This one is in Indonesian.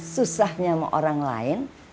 susahnya sama orang lain